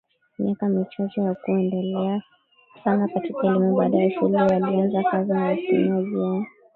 miaka michache hakuendelea sana katika elimu Baada ya shule alianza kazi ya upimaji na